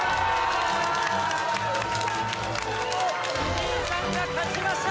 藤井さんが勝ちました！